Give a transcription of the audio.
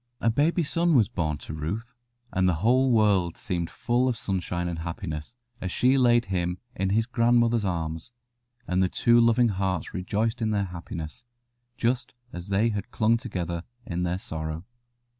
A baby son was born to Ruth, and the whole world seemed full of sunshine and happiness as she laid him in his grandmother's arms, and the two loving hearts rejoiced in their happiness, just as they had clung together in their sorrow.